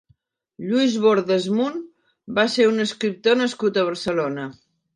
Luis Bordás Munt va ser un escriptor nascut a Barcelona.